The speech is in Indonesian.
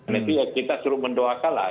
nanti ya kita suruh mendoakalah